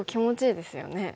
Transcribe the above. ですよね。